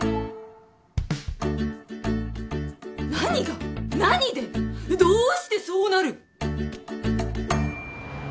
何が何でどうしてそうなる？